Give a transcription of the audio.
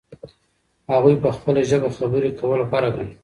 هغوی په خپله ژبه خبرې کول غوره ګڼي.